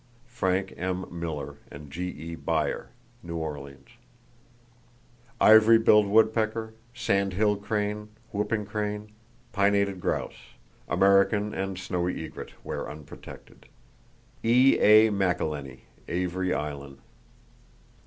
—(Frank M. Miller, and G.E. Beyer, New Orleans.) Ivory billed woodpecker, sandhill crane, whooping crane, pinnated grouse, American and snowy egret where unprotected.—(E.A. McIlhenny, Avery Island.)